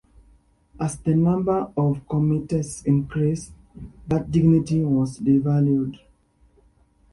As the number of "comites" increased, that dignity was devalued.